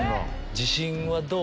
自信はどう？